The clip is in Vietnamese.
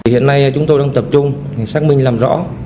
hiện nay chúng tôi đang tập trung xác minh làm rõ